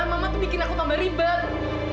mama tuh bikin aku tambah ribet